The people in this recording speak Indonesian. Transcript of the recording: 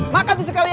makan tuh sekalian